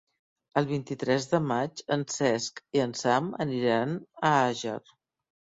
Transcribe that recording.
El vint-i-tres de maig en Cesc i en Sam aniran a Àger.